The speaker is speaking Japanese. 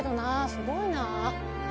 すごいな。